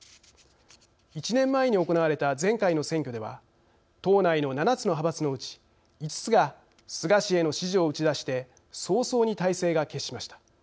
１年前に行われた前回の選挙では党内の７つの派閥のうち５つが菅氏への支持を打ち出して早々に大勢が決しました。